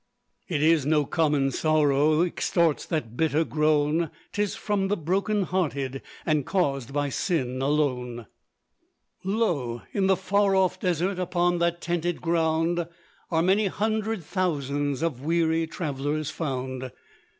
It is no common sorrow, Extorts that bitter groan; 'Tis from the broken hearted, And caused by sin alone. Lo! in the far off desert, Upon that tented ground, Are many hundred thousands Of weary travellers found.